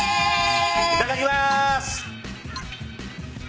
いただきます。